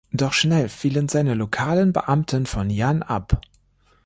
Doch schnell fielen seine lokalen Beamten von Yan ab.